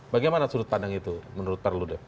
bagaimana sudut pandang itu menurut pak ruludep